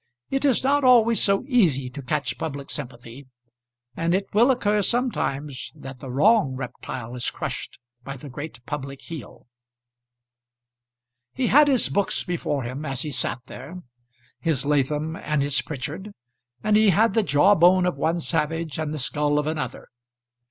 It is not always so easy to catch public sympathy, and it will occur sometimes that the wrong reptile is crushed by the great public heel. [Illustration: Lucius Mason in his Study.] He had his books before him as he sat there his Latham and his Pritchard, and he had the jawbone of one savage and the skull of another.